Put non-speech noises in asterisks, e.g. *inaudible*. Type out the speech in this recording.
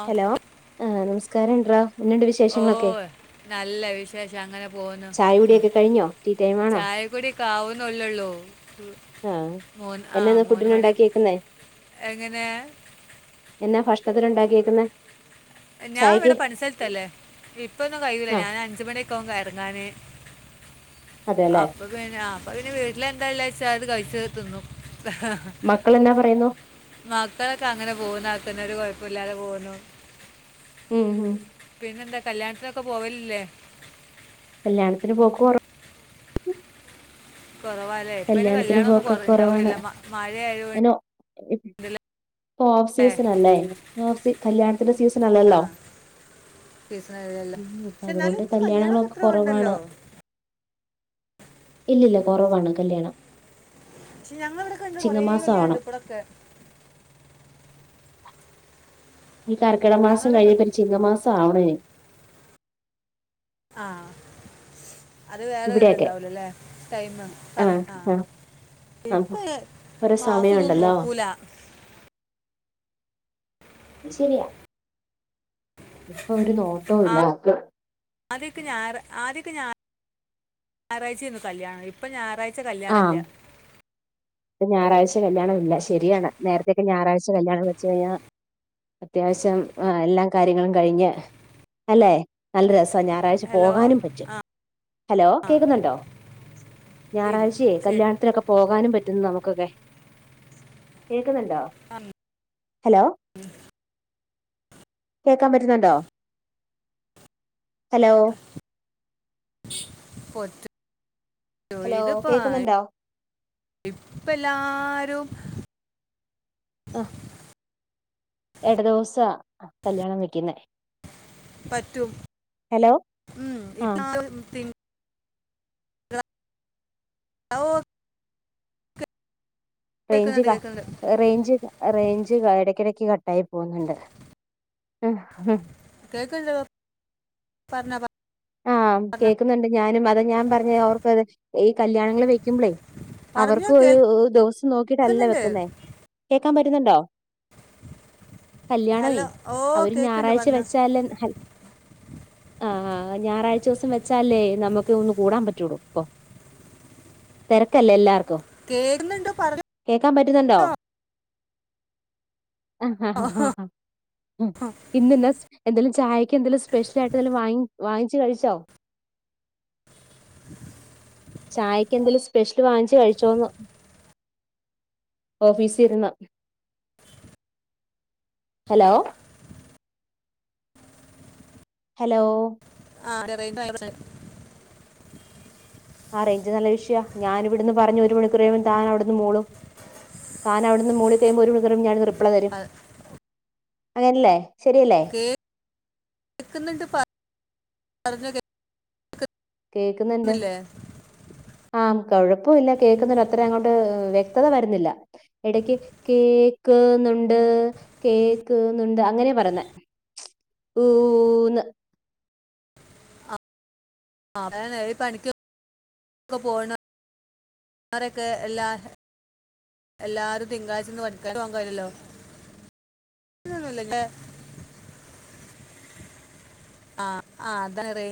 ആഹ് hello ആഹ് നമസ്കാരം എ ണ്ട്റാ എന്നണ്ട് വിശേഷങ്ങളൊക്കെ നല്ല വിശേഷം അങ്ങനെ ചായകുടിയൊക്കെ കഴിഞ്ഞോ റ്റീ ടൈമാ ചായ കുടിക്കാവുന്നുള്ളുള്ളു ആഹ് മോൻ ആ എന്നാന്ന് മൂന്ന് മണി ഫുഡിനുണ്ടാക്കിയേക്കുന്നേ എങ്ങനെ എന്നാ ഭക്ഷണത്തിനുണ്ടാക്കിയേക്കുന്നേ ഞാൻ ഇവിടെ പണിസലത്തല്ലേ ഇപ്പൊന്നും കഴിയൂല്ല ആഹ് ഞാനഞ്ച് അഞ്ചുമണിയക്കാവു ഇറങ്ങാന് അതെല്ലേ അപ്പ പിന്നെ അപ്പൊ പിന്നെ വീട്ടില എന്താ ള്ള്ച്ചാൽ അത് കഴിച്ച്തിന്നു മക്കളെന്നാ പറയുന്നു മക്കളൊക്കെ അങ്ങനെ പോകുന്ന അത്തന്നെ ഒരു കൊഴപ്പല്ലാതെ പോകുന്നു ഉം ഉം പിന്നെന്താ കല്യാണത്തിനൊക്കെ പോവലില്ലേ കല്യാണത്തിന് പോക്ക് കൊറ കൊറവാല്ലേ ഇപ്പയ്ന് കല്യാണത്തിന് കല്യാണൊന്നും കൊ പോക്ക് ഉണ്ടാവില്ലല്ലോ മ മഴയായ ഇപ് ഓഫ് സീസൺ അല്ലേ ഓഫ് സ കല്യാണത്തിന്റെ സീസൺ അല്ലല്ലോ ആ സീസണല്ലോ ഉം പക്ഷെ എന്നാലും അതുകൊണ്ട് ഇപ്പം കല്യാണമൊക്കെ കല്യാണങ്ങളൊക്കെ എത്ര ഉണ്ടല്ലോ കൊർവാണ് ഇല്ലില്ല കൊറവാണ് കല്യാണം പക്ഷെ ഞങ്ങള ഇടൊക്കെണ്ട് കൊറേ ചിങ്ങമാസം കല്യാണണ്ട് ആവണം ഇപ്പളൊക്കെ ഈ കർക്കട മാസം ഞങ്ങളുടെ ക- കഴിയുമ്പോ ചിങ്ങമാസം ആവണേ ആഹ് അത് വേറെ ഇവിടെയൊക്കെ ഇത്ണ്ടാവ് ല്ലല്ലേ ടൈമ് സമയം ആഹ് ഇപ്പ ആഹ് ഒരു മാസം തൊന്നും നോക്കൂല അത് ശരിയാ ഇപ്പൊ ഒരു നോട്ടോ ഇല്ല അതും ആദ്യൊക്കെ ഞാ ആദ്യൊക്കെ ഞായ ഞായറാഴ്ചേനു കല്യാണം ഇപ്പ ഞാറാഴ്ച കല്യാണല്ല ആഹ് ഇപ്പൊ ഞാറാഴ്ച കല്യാണം ഇല്ല ശരിയാണ് നേരത്തെക്കെ ഞാറാഴ്ച കല്യാണം വെച്ച് കഴിഞ്ഞാ അത്യാവശ്യം എല്ലാ കാര്യങ്ങളും കഴിഞ്ഞ് അല്ലെ നല്ല രസവാ ഞായറാഴ്ച ഹലോ പോകാനും പറ്റും ആ ഹലോ ആ, കേക്കുന്നുണ്ടോ ഇല്ല ഞാറാഴ്ചയേ ശരി കല്യാണത്തിനൊക്കെ പോകാനും പറ്റും നമുക്കൊക്കെ കേക്ക്ന്ന്ണ്ടോ ആ, ഹലോ കേക്കാൻ പറ്റുന്നുണ്ടോ ഹലോ പൊത്ത് *unintelligible* ഹലോ ഇത്പ്പോ *unintelligible* കേക്കുന്നുണ്ടോ ഇപ്പലാരും ആഹ് എട ദിവസാ കല്ല്യാണം വയ്ക്കുന്നെ പറ്റും ഹലോ ഉം ആഹ് *unintelligible* *unintelligible* റേഞ്ച് കേക്കുന്നുണ്ട് ല്ലാ കേക്കുന്നുണ്ട് റേഞ്ച് റേഞ്ച് എടക്കടക്ക് കട്ടായി പോകുന്നുണ്ട് കേക്ക്ണ്ട് പർഞ്ഞോ പർ ആഹ് കേക്കുന്നുണ്ട് ഞാനും അത ഞാൻ പർഞ്ഞ അവർക്ക്ത് ഈ കല്യാണങ്ങൾ വെക്കുമ്പളേ പറഞ്ഞോ അവർക്കും ഒരു ദിവസം നോക്കിട്ടല്ലേ കേൾക്കുന്നുണ്ട് വെക്കുന്നേ കേക്കാൻ പറ്റുന്നുണ്ടോ ഹലോ കല്യാണമേ ഓ അവര് കേൾക്കുന്നുണ്ട് ഞായറാഴ്ച പറഞ്ഞോ വെച്ചാല് ആഹ് ആഹ് ഞാറഴ്ച ദിവസം വച്ചാലേ നമുക്ക് ഒന്ന് കൂടാൻ പറ്റൊള്ളൂ ഇപ്പൊ തെരക്കല്ലേ എല്ലാർക്കും കേക്കുന്നുണ്ട് പറഞ്ഞോ കേക്കാൻ പറ്റുന്നുണ്ടോ *unintelligible* ഉം ഇന്നന്നസ് എന്തെലും ചായക്ക് എന്തെലും സ്പെഷ്യലായിട്ട് എന്തെലും വാങ്ങി വാങ്ങിച്ച് കഴിച്ചോ ചായക്ക് എന്തെലും സ്പെഷ്യല് വാങ്ങിച്ചു കഴിച്ചോന്ന് ഓഫീസി ഇര്ന്ന് ഹലോ ഹലോ ആഹ് *unintelligible* ആ റേഞ്ച് നല്ല വിഷയാ ഞാനിവിടുന്ന് പറഞ്ഞ ഒരു മണിക്കുറഴിയുമ്പം താൻ അവിടുന്ന് മൂളും താന് അവിടുന്ന് മൂളി കഴിയുമ്പോ ഒരു മണിക്കൂർ കഴിയുമ്പോ ഞാൻ റിപ്ലൈ തരും ആ, അങ്ങനെയല്ലേ ശരിയല്ലേ കേക്കുന്നുണ്ട് പറഞ്ഞോ കേക്കുന്നുണ്ട് കേക്കുന്നുണ്ട് ആഹ് കുഴപ്പമില്ല കേൾക്കുന്നുണ്ട് അത്ര അങ്ങോട്ട് വ്യക്തത വരുന്നില്ല ഇടക്ക് കേക്ക്ന്നുണ്ട് കേക്ക്ന്നുണ്ട് അങ്ങനെയാ പറയുന്നേ ഊന്ന് ആ അതാണ് ഈ പണിക്കൊക്ക പോവണ ആരൊക്കെ എല്ലാ എല്ലാരും തിങ്കളാഴ്ചന്ന് പണിക്ക് പോണോരല്ലോ *unintelligible* ല്ലല്ലേ ആഹ് ആഹ് അതന്നെ റേഞ്ച്